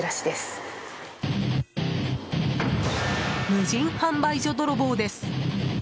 無人販売所泥棒です。